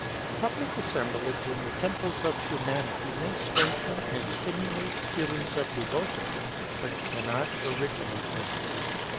Public assemblage in the temples of Humanity may strengthen and stimulate feelings of devotion, but cannot originate them.